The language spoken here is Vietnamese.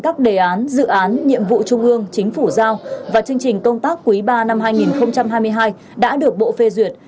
các đề án dự án nhiệm vụ trung ương chính phủ giao và chương trình công tác quý ba năm hai nghìn hai mươi hai đã được bộ phê duyệt